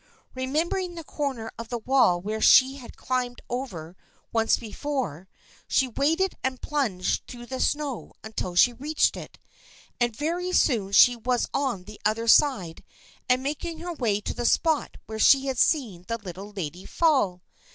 Re membering the corner of the wall where she had climbed over once before, she waded and plunged through the snow until she reached it, and very soon she was on the other side and making her way to the spot where she had seen the Little Lady fall.